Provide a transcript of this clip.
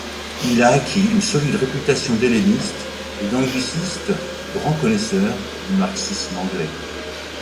Il a acquis une solide réputation d'helléniste et d'angliciste grand connaisseur du marxisme anglais.